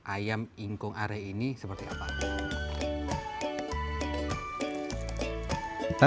ayam ingkung are ini seperti apa